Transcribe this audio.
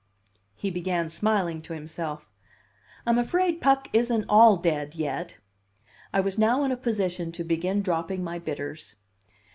He began smiling to himself. "I'm afraid Puck isn't all dead yet." I was now in a position to begin dropping my bitters.